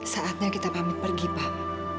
saatnya kita pamit pergi pak